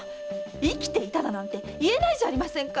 生きていただなんて言えないじゃありませんか！